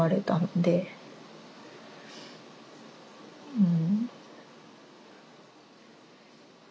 うん。